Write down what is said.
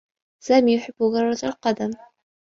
سامي يحبّ كرة القدم.